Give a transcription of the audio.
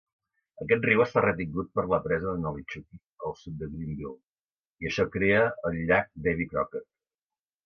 Aquest riu està retingut per la presa de Nolichucky al sud de Greeneville i això crea el llac Davy Crockett.